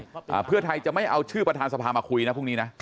อ่าเพื่อไทยจะไม่เอาชื่อประธานสภามาคุยนะพรุ่งนี้นะ